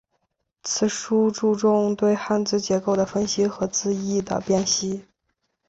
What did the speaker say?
此书注重对汉字结构的分析和词义的辨析。